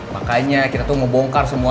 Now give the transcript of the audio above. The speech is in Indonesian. makanya kita tuh mau bongkar semuanya